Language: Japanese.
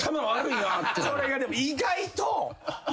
これがでも意外と。